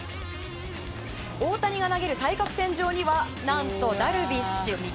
大谷が投げる対角線上には何とダルビッシュ。